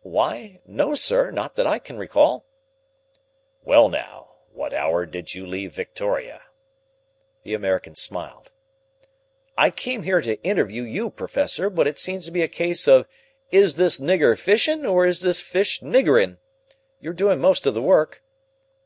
"Why, no, sir, not that I can recall." "Well, now, what hour did you leave Victoria?" The American smiled. "I came here to interview you, Professor, but it seems to be a case of 'Is this nigger fishing, or is this fish niggering?' You're doing most of the work."